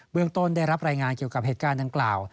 เรื่องต้นได้รับรายงานเกี่ยวกับเหตุการณ์ดังกล่าว